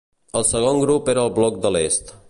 El segon grup era el Bloc de l'Est.